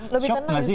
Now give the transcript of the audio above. lebih tenang sih